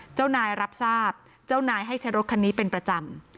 เจ้านายรับทราบเจ้านายให้ใช้รถคันนี้เป็นประจำ